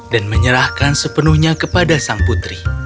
dan menyerahkan sepenuhnya kepada sang putri